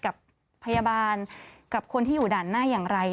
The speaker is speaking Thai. กับพยาบาลกับคนที่อยู่ด่านหน้าอย่างไร